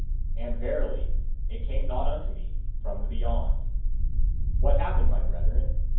And verily, it came not unto me from the beyond! What happened, my brethren?